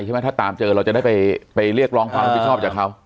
ใช่ไหมถ้าตามเจอเราจะได้ไปเรียกร้องความรับผิดชอบจากเขา